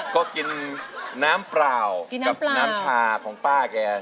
ก็กินน้ำเปล่าน้ำชาของป้าแก